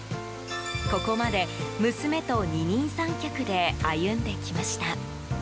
ここまで娘と二人三脚で歩んできました。